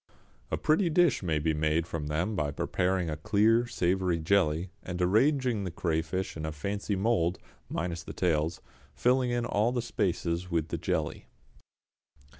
A pretty dish may be made from them by preparing a clear savoury jelly, and arranging the crayfish in a fancy mould minus the tails filling in all spaces with the jelly.